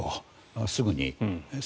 すぐにと。